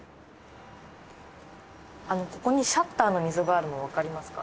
ここにシャッターの溝があるのわかりますか？